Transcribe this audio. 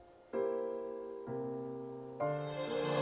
ああ。